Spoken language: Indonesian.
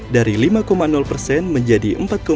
dari lima menjadi empat tujuh puluh lima